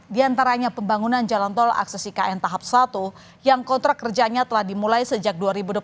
di antaranya pembangunan jalan tol akses ikn tahap satu yang kontrak kerjanya telah dimulai sejak dua ribu dua puluh satu